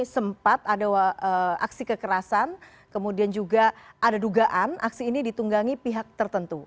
sempat ada aksi kekerasan kemudian juga ada dugaan aksi ini ditunggangi pihak tertentu